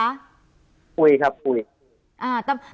คุยครับคุย